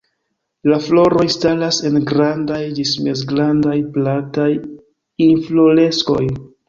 La floroj staras en grandaj ĝis mezgrandaj, plataj infloreskoj.